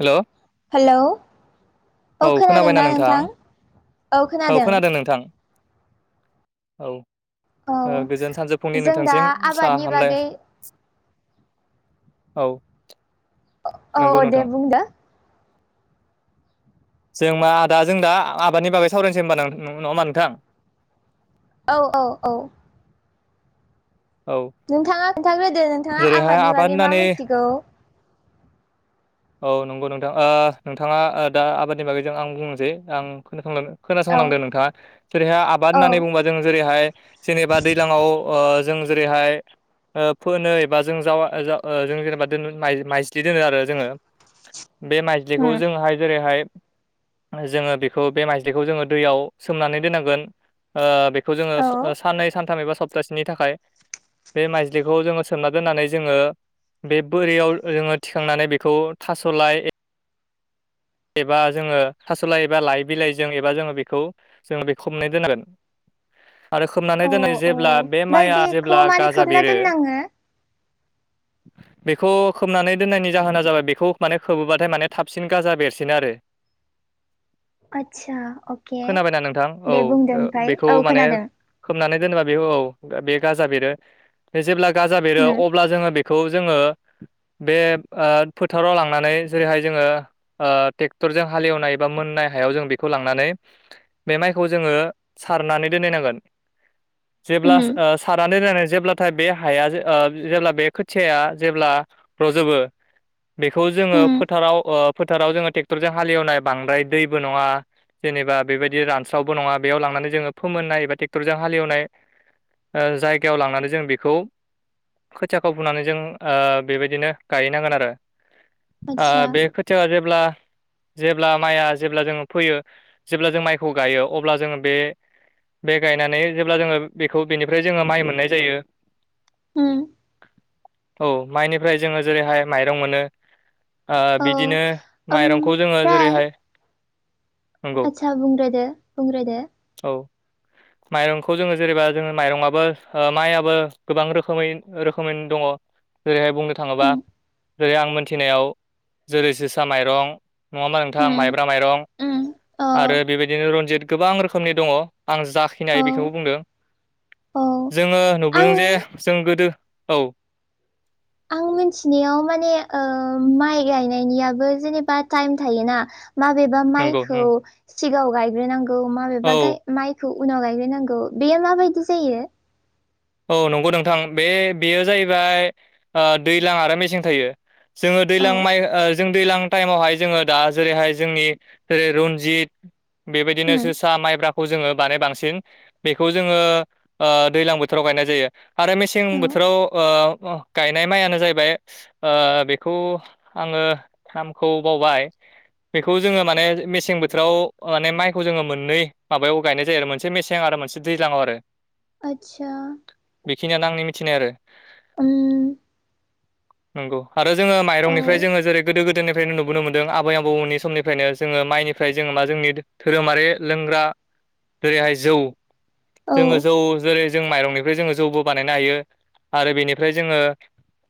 हेल' hello औ खोनादोंना नोंथां औ खोनादों औ औ ओ गोजोन सानजौ फुंनि जों दा नोंथांसिम सा आबादनि हामलाय बागै औ औ नंगौ दे नोंथां बुंदो जों मा आ दा जों दा आबादनि बागै सावरायनोसै होनबा नङा होनबा नोंथां औ औ औ औ नोंथाङा खोन्थाग्रोदो नोंथाङा जेरैहाय आबादनि आबाद बागै मा होननानै मिथिगौ औ नंगौ नोंथां नोंथाङा दा आबादनि बागैजों आं बुंनोसै आं खोनासंलांदो औ खोनासंलांदों नोंथाङा जेरैहाय आबाद औ होननानै बुंङोबा जों जेरैहाय जेनेबा दैज्लाङाव ओ जों जेरैहाय ओ फोनो एबा जों जा जों जेनेबा माइज्लि दोनो आरो जोङो बे माइज्लिखौ होम जोङोहाय जेरैहाय जोङो बेखौ बे माइज्लिखौ जोङो दैयाव सोमनानै दोनांगोन ओ बेखौ जोङो औ साननै सानथाम एबा सप्तासेनि थाखाय बे माइज्लि बेखौ जोङो सोमना दोननानै जोङो बे बोरियाव जोङो थिखांनानै बेखौ थास'लाय एबा जोङो थास'लाइ एबा लाइ बिलाइजों एबा जोङो बेखौ जोङो बेखौ खोबना दोनांगोन। आरो खोमनानै दोननाय औ जेब्ला बे ओमफ्राय माइआ बेखौ जेब्ला मानो गाजा खोबना बेरो दोननाङो [inaudible] बेखौ खोबनानै दोननायनि जाहोना जाबाय बेखौ माने खोबोबाथाय माने थाबसिन गाजा बेरस सिनो आरो। आदसा अके खोनाबायना नोंथां? औ दे बुंदो ओमफ्राय बेखौ औ माने खोनादों खोबनानै दोनोबा बे औ बे गाजा बेरो बे जेब्ला गाजा बेरो होम अब्ला जोङो बे खौ जोङो बे आ फोथाराव लांनानै जेरैहाय जोङो ओ ट्रेक्टरजों हालेवनाय एबा मोननाय हायाव जों बेखौ लांनानै बे माइखौ जोङो सारनानै दोननांगोन जेब्ला होम सार आन्दाय जनानै जेब्लाथाय बे हाया जेब्ला बे खोथियाया जेब्ला रजोबो बेखौ जोङो होम फोथाराव ओ फोथाराव जोङो ट्रेक्टरजों हालेवनाय बांद्राय दैबो नङा जेनेबा बेबायदि रानस्रावबो नङा बेयाव लांनानै जोङो फोमोननाय एबा ट्रेक्टरजों हालेवनाय जायगायाव लांनानै जों बेखौ खोथियाखौ बुनानै जों ओ बेबायदिनो गायैनांगोन आरो आ आदसा बे खो जोङो जेब्ला जेब्ला माइया जेब्ला जोङो फोयो जेब्ला जों माइखौ गायो अब्ला जोङो बे बे गायनानै जेब्ला जोङो बेखौ बेनिफ्राय जोङो माइ मोननाय जायो होम [inaudible] औ माइनिफ्राय जोङो जेरैहाय माइरं मोनो ओ औ बिदिनो माइरंखौ जोङो ओमफ्राय जेरैहाय नंगौ आदसा बुंग्रोदो बुंग्रोदो। औ माइरंखौ जोङो जेनेबा जोङो माइरंआबो माइआबो गोबां रोखोमै रोखोमैनो दङ। जेरैहाय बुंनो थाङोबा होम जेरै आं मोनथिनायाव जेरै जोसा माइरं नङा होमबा नोंथां माइब्रा माइरं। ओम। आरो बेबायदिनो रनजित गोबां रोखोमनि दङ आं औ जाखिनाय बेखौबो बुंदों। औ जोङो आं नुबोदों जे जों गोदो औ। आं मिथिनायाव माने माइ गायनायनियाबो जेनेबा टाइम थायोना। माबेबा नंगौ माइखौ नों सिगाङाव गायग्रोनांगौ औ माबेबा गाय माइखौ उनाव गायग्रोनांगौ बेयो माबायदि जायो? औ नंगौ नोंथां बे बेयो जाहैबाय ओ दैज्लां आरो मेसें थायो। जोङो औ दैज्लां माइ ओ जों दैज्लां टाइमावहाय जोङो दा जेरैहाय जोंनि जेरै रनजित बेबायदिनो उम जोसा माइब्राखौ जोङो बानाय बांसिन बेखौ जोङो ओ दैजलां बोथोर बोथोराव गायनाय जायो। आरो मेसें औ बोथोराव ओ अ गायनाय माइयानो जाहैबाय ओ बेखौ आङो नामखौ बावबाय। बेखौ जोङो माने मेसें बोथोराव माने माइखौ जोङो मोननै माबायाव गायनाय जायो आरो मोनसे मेसें आरो मोनसे दैज्लांआव आरो। आदसा। बेखिनियानो आंनि मिथिनाय आरो। उम नंगौ। आरो जोङो औ माइरंनिफ्राय जोङो जेरै गोदो गोदोनि फ्रायनो नुबोनो मोनदों आबै आबौमोननि समनिफ्रायनो जोङो माइनिफ्राय जोङो मा जोंनि धोरोमारि लोंग्रा जेरैहाय जौ औ जोङो जौ जेरै जों माइरंनिफ्राय जोङो जौबो बानायनो हायो आरो बेनिफ्राय जोङो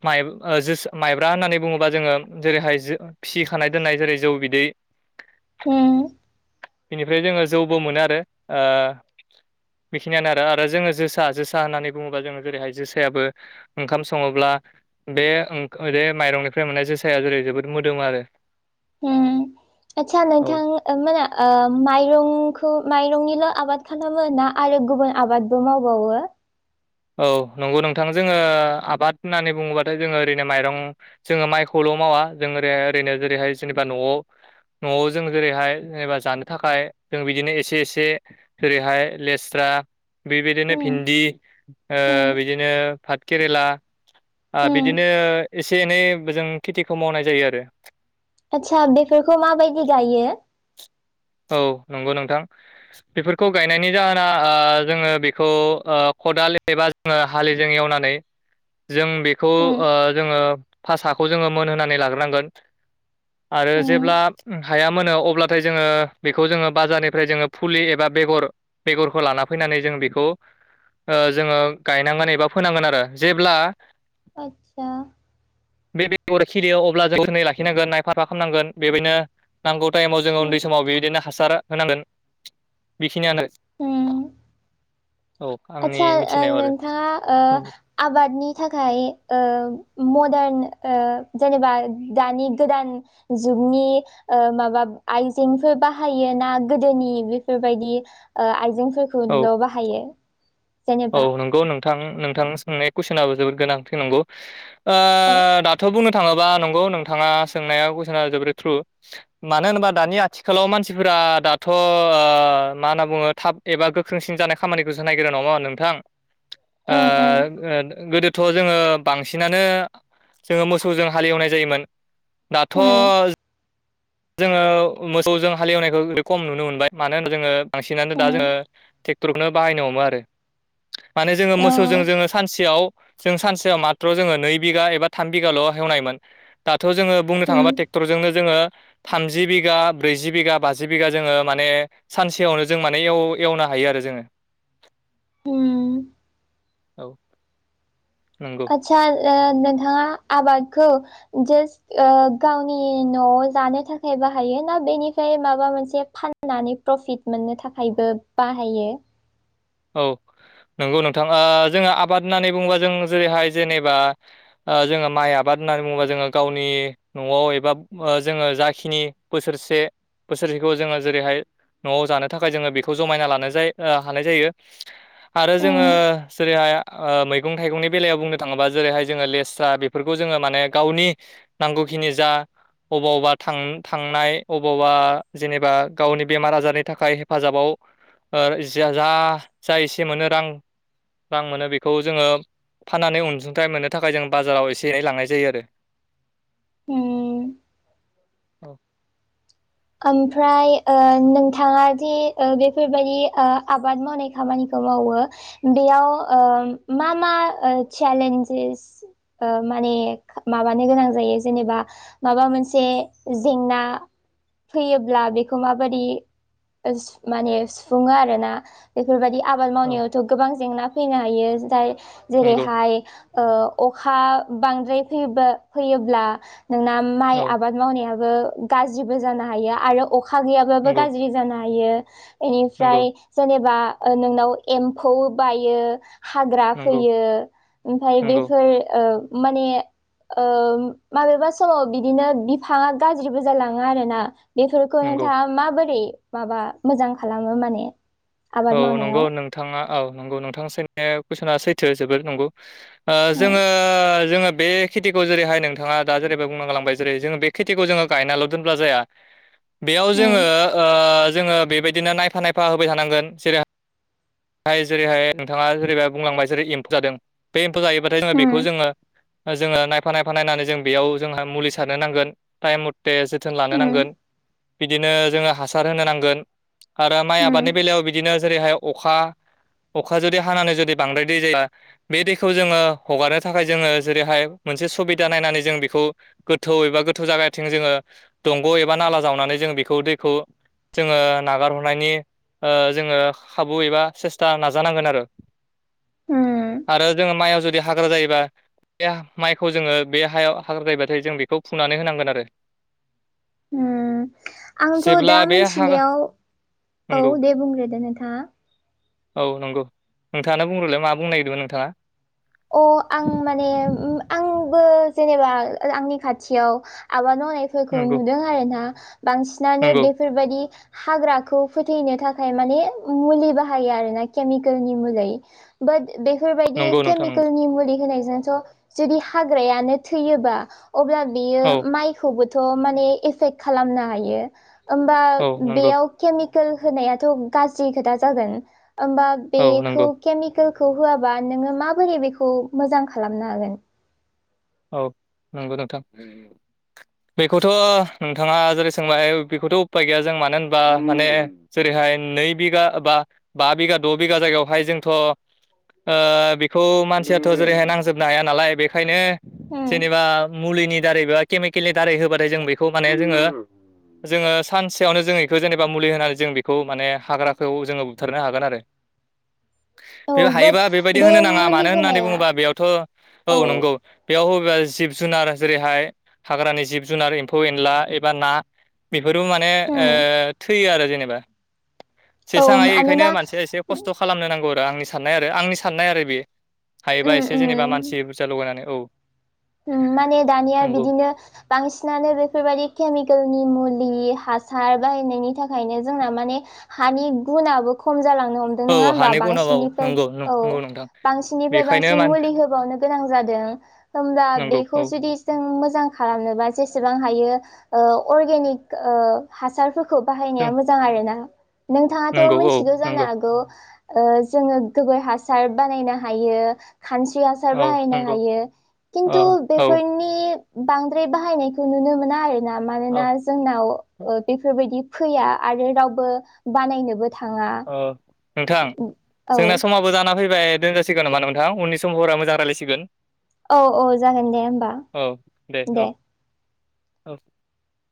माइ जोस माइब्रा होननानै बुङोबा जोङो जेरैहाय जो फिसिखानाय दोननाय जेरै जौ बिदै। उम बेनिफ्राय जोङो जौबो मोनो आरो। ओ बेखिनियानो आरो, आरो जोङो जोस सा जोसा होननानै बुङोबा जोङो जेरैहाय जोसायाबो ओंखाम सङोब्ला बे ओं ओ बे माइरंनिफ्राय मोननाय जो साया जेरै जोबोद मोदोमो आरो। उम आदसा नोंथां ओ मोना ओ माइरंखौ माइरंनिल' आबाद खालामो ना? आरो गुबुन आबादबो मावबावो? औ नंगौ नोंथां। जोङो आबाद होननानै बुङोब्लाथाय जोङो ओरैनो माइरं जोङो माइखौल' मावा जों ओरैहाय ओरैनो जेरैहाय जेनेबा न'आव न'आव जों जेरैहाय एबा जेनेबा जानो थाखाय जों बिदिनो एसे एसे जेरैहाय लेस्रा बेबायदिनो उम भिन्दि उम ओ बिदिनो पाट केेरेला ओ उम बिदिनो एसे एनै जों खेथिखौ मावनाय जायो आरो। आदसा बेफोरखौ माबायदि गायो? औ नंगौ नोंथां। बेफोरखौ गायनायनि जाहोना ओ जोङो बेखौ ओ खदाल एबा जोङो हालिजों एवनानै [inaudible] जों बेखौ उम ओ जोङो भासाखौ जोङो मोनहोनानै लाग्रोनांगोन। आरो उम जेब्ला हाया मोनो अब्लाथाय जोङो बेखौ जोङो बाजारनिफ्राय जोङो फुलि एबा बेगर बेगरखौ लाना फैनानै जोङो बेखौ ओ जोङो गायनांगोन एबा फोनांगोन आरो जेब्ला आदसा बे बेगर खिलियो, अब्ला [unintelligible] जोथोनै लाखिनांगोन नायफा साफा खालामनांगोन बेबायनो नांगौ टायमाव जोङो उम उन्दै समाव बि दिनो हासार होनांगोन बेखिनियानो। उम औ आंनि आदसा ओ मिथिनायाव आरो नोंथाङा ओ आबादनि थाखाय ओ मदान ओ जेनेबा दानि गोदान जुगनि ओ माबा आइजेंफोर बाहायो ना? गोदोनि बेफोरबायदि ओ आइजेंफोर औ थुनल' बाहायो। औ जेनेबा नंगौ नोंथां। नोंथां सोंनाय कुइसनाबो जोबोद गोनांथि नंगौ। ओ औ दाथ' बुंनो थाङोबा नंगौ नोंथाङा सोंनाया कुइसना जोबोरै थ्रु। मानो होनोबा दानि आथिखालाव मानसिफोरा दाथ' ओ मा होनना बुङो थाब एबा गोख्रोंसिन जानाय खामानिखौसो नायग्रोयो नंङा होमबा नोंथां। ओ उम उम ओ गोदो थ' जोङो बांसिनानो जोङो मोसौजों हालेवनाय जायोमोन। उम दाथ' जोङो मोसौजों हालेवनायखौ [unintelligible] खम नुनो मोनबाय। मानो होनबा जोङो बांसिनानो दा जोङो उम थेक टरखौनो बाहायनो हमो आरो। माने जोङो औ मोसौजों जोङो सानसेयाव जों सानसेयाव माथ्र' जोङो नै बिघा एबा थाम बिगाल' हेवनायमोन। दाथ' जोङो बुंनो उम थाङोब्ला ट्रेक्टरजोंनो जोङो। थामजि बिगा, ब्रैजि बिगा, बाजि बिगा जोङो माने सानसेयावनो जों माने एव एवनो हायो आरो जोङो। उम औ नंग सा ओ नोंथाङा आबादखौ जास ओ गावनि न'आव जानो थाखाय बाहायो? ना बेनिफ्राय माबा मोनसे फान नानि प्रफिट मोननो थाखायबो बाहायो। औ नंगौ नोंथां। ओ जोङो आबाद होननानै बुङोबा जों जेरैहाय जेनेबा ओ जोङो माइ आबाद होननानै बुङोबा जोङो गावनि न'आव एबा ओ जोङो जाखिनि बोसोरसे बोसोरसेखौ जोङो जेरैहाय न'आव जानो थाखाय जोङो बेखौ जमायना लानाय जायो ओ हानाय जायो। [inaudible] आरो जोङो उम जेरैहाय ओ मैगं थाइगंनि बेलायाव बुंनो थाङोबा। जेरैहाय जोङो लेस्रा बेफोरखौ जोङो माने गावनि नांगौखिनि जा अबावबा थां थांनाय अबावबा जेनेबा गावनि बेमार आजारनि थाखाय हेफाजाबाव ओ जिया जा एसे मोनो रां रां मोनो बेखौ जोङो फाननानै अनसुंथाइ मोननो थाखाय जों बाजाराव एसे-एनै लांनाय जायो आरो। ओम औ ओमफ्राय ओ नोंथाङा दि बेफोरबायदि ओ आबाद मावनाय खामानिखौ मावो बेयाव ओ मा मा चेलेन्जेस ओ माने माबानो गोनां जायो जेनेबा माबा मोनसे जेंना फैयोब्ला बेखौ माबोरि ओ माने सुफुङो आरोना? बेफोरबायदि आबाद औ मावनायावथ' गोबां जेंना फैनो हायो। जाय नंगौ जेरैहाय ओ अखा बांद्राय फैयोबा फैयोब्ला ना माइ औ आबाद मावनायाबो गाज्रिबो जानो हायो। आरो अखा गैयाबाबो नंगौ गाज्रि जानो हायो। नंगौ एनिफ्राय जेन'बा ओ नोंनाव एम्फौ बायो। हाग्रा नंगौ फैयो ओमफ्राय नंगौ बेफोर ओ माने ओ माबेबा समाव बिदिनो बिफाङा गाज्रिबो जालाङो आरोना। इफोरखौ नंगौ नोंथाङा माबोरै माबा मोजां खालामो माने औ आबाद नंगौ मावनायाव नोंथाङा औ नंगौ नोंथां सैनाया कुइसना सैथो जोबोद नंगौ ओ उम जोङो जोङो बे बे खेथिखौ जेरैहाय नोंथाङा दा जेरैबो बुंना गालांबाय जेरै जोङो बे खेथिखौ जोङो गायनाल' दोनब्ला जाया। बेयाव जोङो उम ओ जोङो बेबायदिनो नायफा नायफा होबाय थानांगोन जेरै जाय जेरैहाय नोंथाङा जेरैहाय बुंलांबाय जेरै एम्फौ जादों बे एम्फौ जायोबाथाय जोङो उम बेखौ जोङो जोङो नायफा नायफा नायनानै जों बेयाव जोंहा मुलि सारनो नांगोन टाइम बे जोथोन लानो उम नांगोन बिदिनो जोङो हासार होनो नांगोन। आरो माइ आबादनि उम बेलायाव बिदिनो जेरैहाय अखा अखा जुदि हानानै जुदि बांद्राय दै जायोबा बे दैखौ जोङो हगारनो थाखाय जोङो जेरैहाय मोनसे सुबिदा नायनानै जों बेखौ गोथौ एबा गोथौ जागाथिं जोङो दंग' एबा नाला जावनानै जों बेखौ दैखौ जोङो नागार हरनायनि ओ जोङो खाबु एबा सेस्था नाजानांगोन आरो उम आरो जोङो माइआव जुदि हाग्रा जायोबा बे माइखौ जोङो बे हायाव हाग्रादायबाथाय जों बेखौ फुनानै होनांगोन आरो। ओम आंथ' जेब्ला दा बे हा मिथिनायाव औ नंगौ दे बुंग्रोदो नोंथाङा औ नंगौ नोंथाङानो बुंग्रोलाय मा बुंनो नागिरदोंमोन नोंथाङा अ आं माने आंबो जेनेबा आंनि खाथियाव आबाद मावनायफोरखौ नंगौ नुदों आरोना बांसिनानो नंगौ बेफोरबायदि हाग्राखौ फोथैनो थाखाय माने मुलि बाहायो आरो ना केमिकेलनि मुलै बाट बेफोरबायदि नंगौ नोंथां नंगौ केमिकेलनि मुलि होनायजोंथ जुदि हाग्रायानो थैयोबा अब्ला बियो औ माइ खौबोथ' माने एफेक्ट खालामनो हायो होमबा औ नंगौ बेयाव केमिकेल होनायाथ' गाज्रि खोथा जागोन होमबा औ बेखौ नंगौ केमिकेलखौ होआबा नोङो माबोरै बेखौ मोजां खालामनो हागोन औ नंगौ नोंथां बेखौथ' नोंथाङा जेरै सोंबाय बेखौथ' उफाय गैया जों मानो होनबा माने जेरैहाय नै बिघा बा बा बिघा द' बिघा जायगायावहाय जोंथ' ओ बेखौ मानसियाथ' जेरैहाय नांजोबनो हाया नालाय बेखायनो जेनेबा मुलिनि दारै बा केमिकेलनि दारै होबाथाय जों बेखौ माने जोङो जोङो सानसेयावनो जोङो बेखौ जेनेबा मुलि होनानै जों बेखौ माने हाग्राखौ जोङो बुथारनो हागोन आरो। [unintelligible] बे बाट हायोबा बेबायदि बे होनो नाङा मुलि मानो होननानै होनाया बुङोबा बेयावथ' औ नंगौ। बेयाव [unintelligible] जिब जुनार जेरैहाय हाग्रानि जिब जुनार एम्फौ एनला एबा ना बेफोरबो माने ओ थैयो आरो जेनेबा औ जेसांहायो एखायनो मानोना मानसिया एसे खस्थ' खालामनो नांगौ आरो आंनि साननाय आरो आंनि साननाय आरो बे उम हायोबा एसे जेनेबा मानसि फैसा लगायनानै औ उम्म माने दानिया नंगौ बिदिनो बांसिनानो बेफोरबायदि केमिकेलनि मुलि हासार बाहायनायनि थाखायनो जोंना माने हानि गुनाबो खम जालांनो हम दों औ नङा होमबा हानि गुनाव औ बांसिननिफ्राय नंगौ औ नंगौ नोंथां बांसिननिफ्राय बेखायनो बांसिन मान मुलि होबावनो गोनां जादों। होमबा नंगौ बेखौ औ जुदि जों मोजां खालामनोबा जेसेबां हायो ओ अर्गेनिक ओ हासारफोरखौ जों बाहायनाया मोजां आरो ना नोंथाङाथ' नंगौ औ मिथिगौ जानो नंगौ हागौ ओ जोङो गोबोर हासार बानायनो हायो खानस्रि हासार औ बाहायनो नंगौ हायो। अ खिन्थु औ बेफोरनि बांद्राय बाहायनायखौ नुनो मोना आरो। ना औ मानोना जोंनाव ओ बेफोरबायदि फैया आरो रावबो बानायनोबो थाङा। अ नोंथां औ जोंना समाबो जाना फैबाय। दोनजासिगोन नामा नोंथां उनि समावफोरा मोजां रायलायसिगोन। औ औ जागोन दे होमबा औ दे। औ